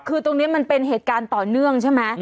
คือตรงนี้มันเป็นเหตุการณ์ต่อเนื่องใช่ไหม